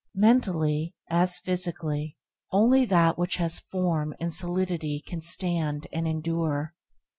Mentally, as physically, only that which has form and solidity can stand and endure.